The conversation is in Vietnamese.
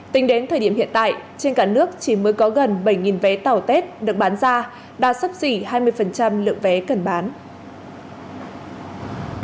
tính đến thời điểm hiện tại trên cả nước chỉ mới có gần bảy vé tàu tết được bán ra đã sắp xỉ hai mươi lượng vé cần bán